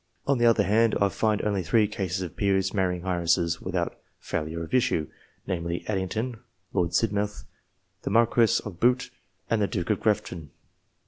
On the other hand, I find only three cases of peers marrying heiresses without failure of issue, namely, Addington (Lord Sidmouth), the Marquis of Bute, and the Duke of Grafton.